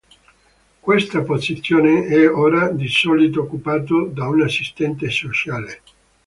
Questa posizione è ora di solito occupato da un assistente sociale.